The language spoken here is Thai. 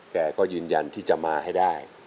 แกก็ยืนยันที่จะมาให้ได้